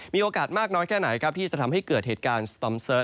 มีโอกาสมากน้อยแค่ไหนครับที่จะทำให้เกิดเหตุการณ์สตอมเสิร์ช